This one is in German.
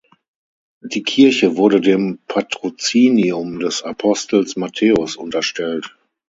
Die Kirche wurde dem Patrozinium des Apostels Matthäus unterstellt.